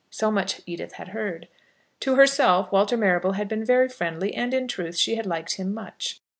So much Edith had heard. To herself Walter Marrable had been very friendly, and, in truth, she had liked him much.